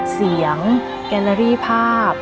เสียงแกลลารี่ภาพ